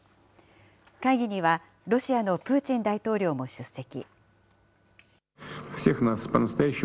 会議には、ロシアのプーチン大統領も出席。